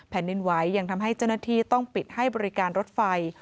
ดินไหวยังทำให้เจ้าหน้าที่ต้องปิดให้บริการรถไฟ